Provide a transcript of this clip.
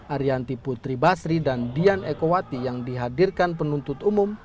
arianti putri basri dan dian ekowati yang dihadirkan penuntut umum